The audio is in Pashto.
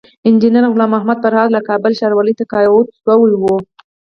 انجينر غلام محمد فرهاد له کابل ښاروالۍ تقاعد شوی وو